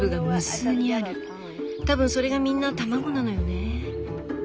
多分それがみんな卵なのよね。